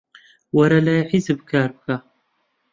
وەرە لای حیزب کار بکە.